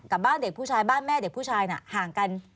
บ้านเด็กผู้ชายบ้านแม่เด็กผู้ชายน่ะห่างกัน